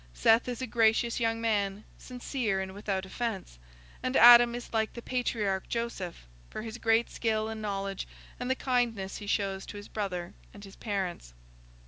Seth is a gracious young man—sincere and without offence; and Adam is like the patriarch Joseph, for his great skill and knowledge and the kindness he shows to his brother and his parents."